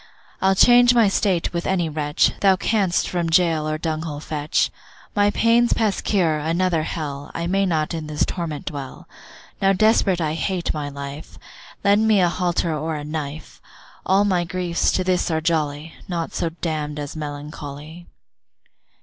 I'll change my state with any wretch, Thou canst from gaol or dunghill fetch; My pain's past cure, another hell, I may not in this torment dwell! Now desperate I hate my life, Lend me a halter or a knife; All my griefs to this are jolly, Naught so damn'd as melancholy.